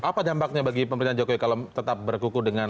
apa dampaknya bagi pemerintahan jokowi kalau tetap berkuku dengan